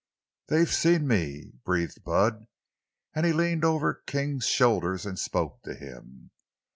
"They've seen me!" breathed Bud, and he leaned over King's shoulders and spoke to him.